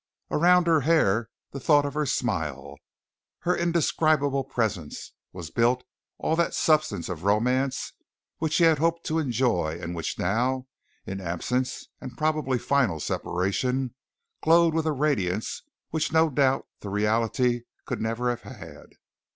Around her hair, the thought of her smile, her indescribable presence, was built all that substance of romance which he had hoped to enjoy and which now, in absence and probably final separation, glowed with a radiance which no doubt the reality could never have had.